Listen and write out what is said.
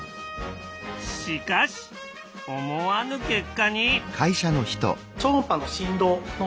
しかし思わぬ結果に。